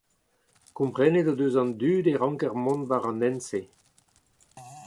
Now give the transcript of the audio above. Komprenet o deus an dud e ranker mont war an hent-se.